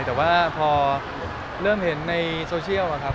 แต่ว่าพอเริ่มเห็นในโซเชียลครับ